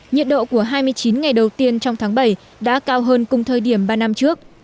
nhiệt độ của hai mươi chín ngày đầu tiên trong tháng bảy đã cao hơn cùng thời điểm ba năm trước